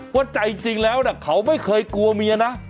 ว่าใจจริงแล้วเขาไม่เคยกลัวเมียนะ